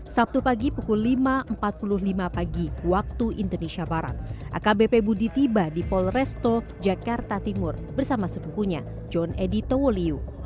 sabtu pagi pukul lima empat puluh lima pagi waktu indonesia barat akbp budi tiba di polresto jakarta timur bersama sepupunya john edy towoliu